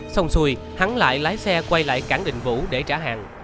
xong xuôi hắn lại lái xe quay lại cảng đình vũ để trả hàng